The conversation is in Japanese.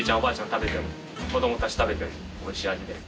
食べても子供たち食べてもおいしい味です。